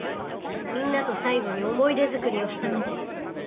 みんなと最後に思い出作りをしたかった。